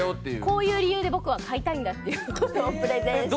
こういう理由で僕は買いたいんだっていうのをプレゼンして。